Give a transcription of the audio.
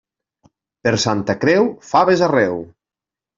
Per Santa Creu, faves arreu.